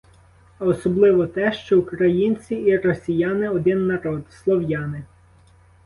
а особливо те, що українці і росіяни — один народ «слов'яни».